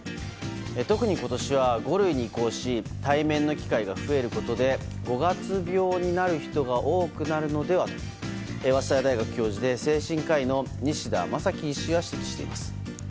特に今年は、５類に移行し対面の機会が増えることで五月病になる人が多くなるのではと早稲田大学教授で精神科医の西多昌規医師は指摘しています。